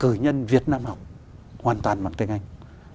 cử nhân việt nam học hoàn toàn bằng tiếng anh